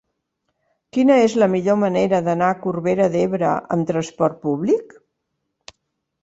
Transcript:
Quina és la millor manera d'anar a Corbera d'Ebre amb trasport públic?